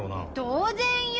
当然よ！